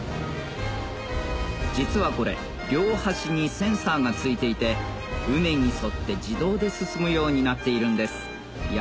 実はこれ両端にセンサーが付いていて畝に沿って自動で進むようになっているんですいや